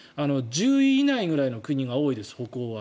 １０位以内くらいの国が多いです北欧は。